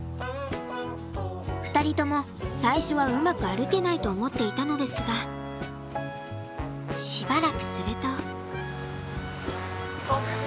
２人とも最初はうまく歩けないと思っていたのですがよしよし。